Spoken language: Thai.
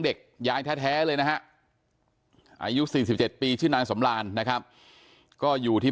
ยายแท้เลยนะฮะอายุ๔๗ปีชื่อนางสำรานนะครับก็อยู่ที่